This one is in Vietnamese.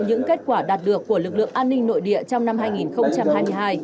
những kết quả đạt được của lực lượng an ninh nội địa trong năm hai nghìn hai mươi hai